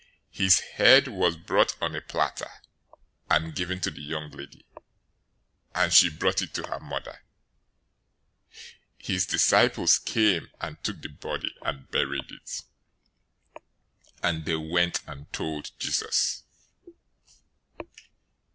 014:011 His head was brought on a platter, and given to the young lady: and she brought it to her mother. 014:012 His disciples came, and took the body, and buried it; and they went and told Jesus.